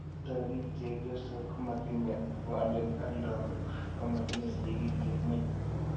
kibisto kii chepyosok ko matinyeii boonde ak lagok ko matinyei sigik eng' ng'ony